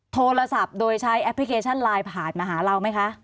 โทรศัพท์โดยใช้แอปพลิเคชันไลน์ผ่านมาหาเราไหมคะ